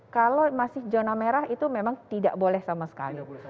kalau masih zona merah itu memang tidak boleh sama sekali